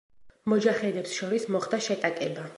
მოჯაჰედებს შორის მოხდა შეტაკება.